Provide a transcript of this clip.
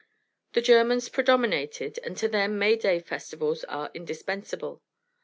The Germans predominated, and to them May day festivals are indispensable.